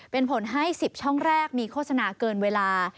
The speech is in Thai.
เป็นผลให้๑๐ช่องแรกมีโฆษณาเกินเวลา